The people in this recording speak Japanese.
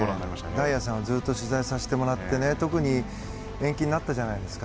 大也さん、ずっと取材させてもらって特に延期あったじゃないですか。